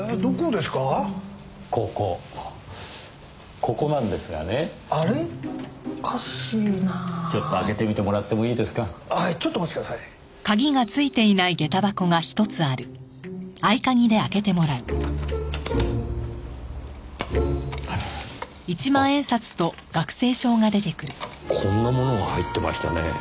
こんなものが入ってましたねぇ。